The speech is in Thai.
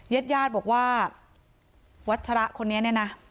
ญาติญาติบอกว่าวัชระคนนี้เนี่ยนะ